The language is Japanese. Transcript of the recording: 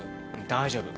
大丈夫。